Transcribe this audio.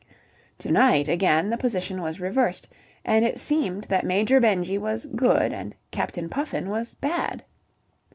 To night, again the position was reversed, and it seemed that Major Benjy was "good" and Captain Puffin was "bad".